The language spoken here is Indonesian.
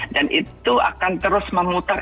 dan itu akan terus memutar